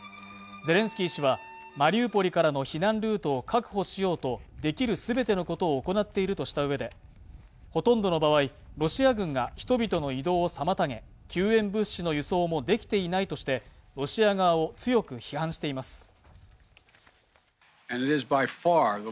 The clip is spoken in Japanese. ゼレンスキー氏はマリウポリからの避難ルートを確保しようとできるすべてのことを行っているとしたうえでほとんどの場合ロシア軍が人々の移動を妨げ救援物資の輸送もできていないとしてロシア側を強く批判しています